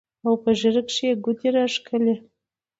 او پۀ ږيره کښې يې ګوتې راښکلې